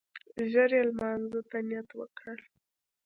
ژر يې لمانځه ته نيت وکړ.